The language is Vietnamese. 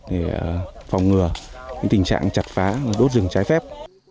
để phòng ngừa tình trạng chặt phá đốt rừng trái phép